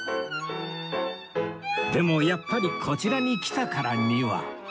でもやっぱりこちらに来たからには